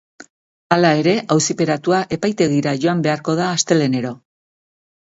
Hala ere, auziperatua epaitegira joan beharko da astelehenero.